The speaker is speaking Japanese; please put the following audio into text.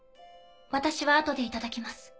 私は後でいただきます。